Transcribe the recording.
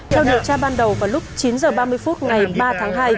theo điều tra ban đầu vào lúc chín h ba mươi phút ngày ba tháng hai